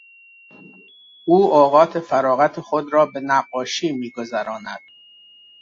او اوقات فراغت خود را به نقاشی میگذراند.